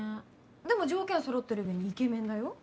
でも条件はそろってるうえにイケメンだよ。